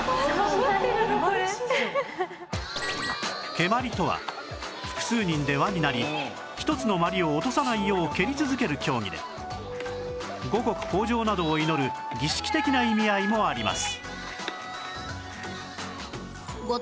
蹴鞠とは複数人で輪になり１つの鞠を落とさないよう蹴り続ける競技で五穀豊穣などを祈る儀式的な意味合いもあります